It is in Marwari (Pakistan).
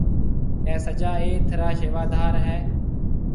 اَي سجا ايٿ را شيوادرِ هيَ۔